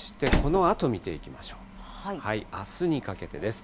あすにかけてです。